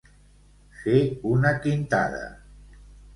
Fer una quintada.